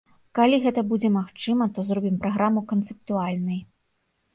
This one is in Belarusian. Калі гэта будзе магчыма, то зробім праграму канцэптуальнай.